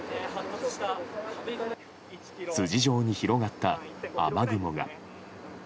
筋状に広がった雨雲が。